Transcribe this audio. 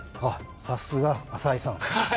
さすが浅井さん